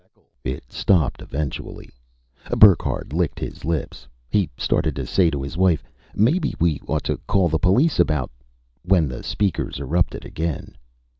It stopped eventually. Burckhardt licked his lips. He started to say to his wife, "Maybe we ought to call the police about " when the speakers erupted again.